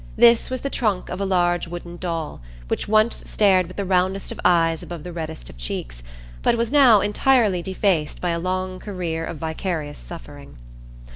This was the trunk of a large wooden doll, which once stared with the roundest of eyes above the reddest of cheeks; but was now entirely defaced by a long career of vicarious suffering.